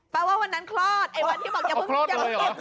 แปลว่าวันนั้นคลอดไอ้วันที่บอกอย่าเอาเก็บนะ